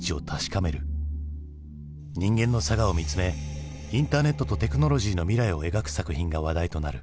人間の性を見つめインターネットとテクノロジーの未来を描く作品が話題となる。